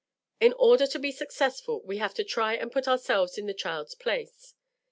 In order to be successful we have to try and put ourselves in the child's place.